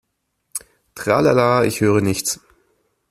Tralala, ich höre nichts!